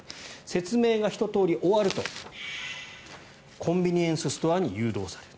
説明がひと通り終わるとコンビニエンスストアに誘導される。